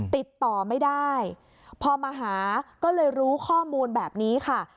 ติดต่อไม่ได้พอมาหาก็เลยรู้ข้อมูลแบบนี้ค่ะ